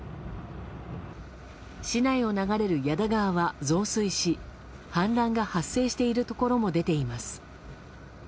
市内を流れる矢田川は増水し氾濫が発生しているところも出ています。